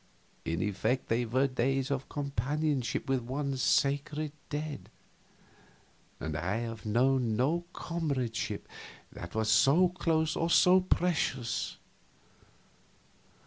In effect they were days of companionship with one's sacred dead, and I have known no comradeship that was so close or so precious.